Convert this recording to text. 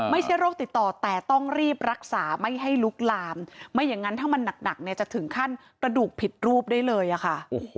ไม่ใช่โรคติดต่อแต่ต้องรีบรักษาไม่ให้ลุกลามไม่อย่างนั้นถ้ามันหนักเนี่ยจะถึงขั้นกระดูกผิดรูปได้เลยอะค่ะ